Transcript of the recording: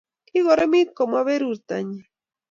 kikoromit komwa perurtonyi